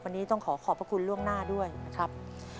วันนี้ต้องขอขอบพระคุณล่วงหน้าด้วยนะครับ